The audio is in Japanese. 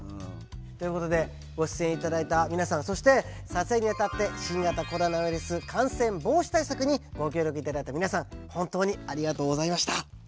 ということでご出演頂いた皆さんそして撮影にあたって新型コロナウイルス感染防止対策にご協力頂いた皆さん本当にありがとうございました。